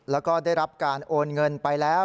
แล้วก็ได้รับการโอนเงินไปแล้ว